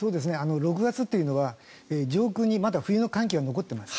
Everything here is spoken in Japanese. ６月というのは、上空にまだ冬の寒気が残っています。